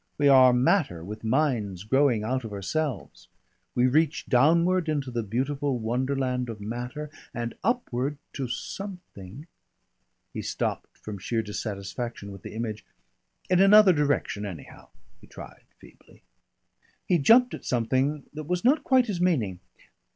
We are matter with minds growing out of ourselves. We reach downward into the beautiful wonderland of matter, and upward to something " He stopped, from sheer dissatisfaction with the image. "In another direction, anyhow," he tried feebly. He jumped at something that was not quite his meaning.